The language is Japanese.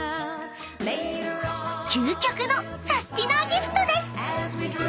［究極のサスティなギフトです］